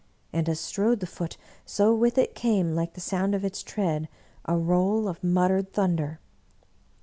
And, as strode the Foot, so with it came, like the sound of its tread, a roll of muttered thunder.